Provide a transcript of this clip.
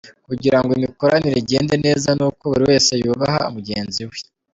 Kugira ngo imikoranire igende neza ni uko buri wese yubaha mugenzi we.